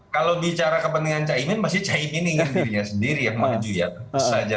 kalau bicara kepentingan caimin masih caimin ini sendiri yang maju ya